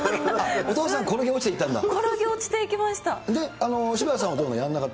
お父さん、転げ落ちていきました。